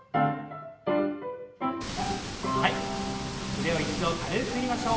腕を一度軽く振りましょう。